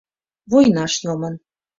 — Войнаш йомын.